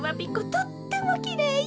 とってもきれいよ。